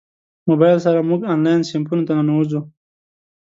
موبایل سره موږ انلاین صنفونو ته ننوځو.